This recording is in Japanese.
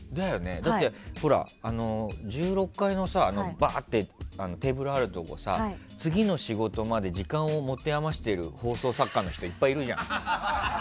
だって１６階のテーブルあるところさ次の仕事まで時間を持て余してる放送作家の人いっぱいいるじゃん。